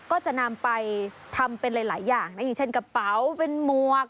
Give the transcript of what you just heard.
ก็จะนำไปทำเป็นหลายอย่างนะอย่างเช่นกระเป๋าเป็นหมวก